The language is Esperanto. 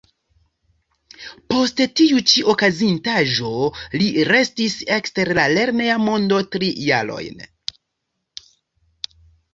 Post tiu ĉi okazintaĵo li restis ekster la lerneja mondo tri jarojn.